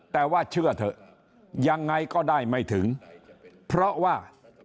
แต่ว่าเชื่อเถอะยังไงก็ได้ไม่ถึงเพราะว่า